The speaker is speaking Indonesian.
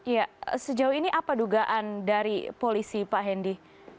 ya sejauh ini apa dugaan dari polisi pak hendy